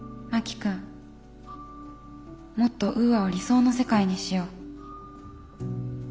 もっとウーアを理想の世界にしよう。